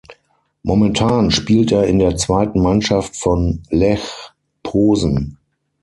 Momentan spielt er in der zweiten Mannschaft von Lech Posen.